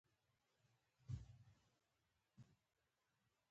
کورټز او ملګري یې د تینوشیت لان امپراتورۍ پلازمېنې ته ورسېدل.